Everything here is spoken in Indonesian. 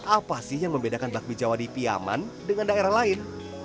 apa sih yang membedakan bakmi jawa di piyaman dengan daerah lain